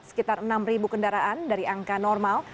sekitar enam kendaraan dari angka normal